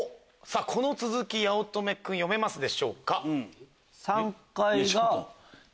この続き八乙女君読めますか？